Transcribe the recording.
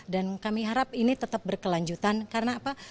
dan kami harap ini tetap berkelanjutan karena apa